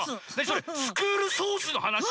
それ「スクールソース」のはなし？